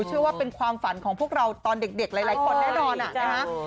เชื่อว่าเป็นความฝันของพวกเราตอนเด็กหลายคนแน่นอนนะคะ